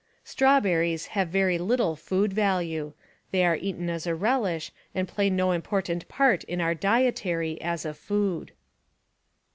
Strawberries have very little food value. They are eaten as a relish and play no important part in our dietary as a food.